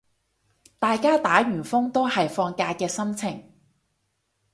大家打完風都係放假嘅心情